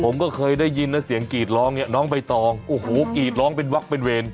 ผมก็เคยได้ยินนะเสียงกรีดร้องเนี่ยน้องใบตองโอ้โหกรีดร้องเป็นวักเป็นเวร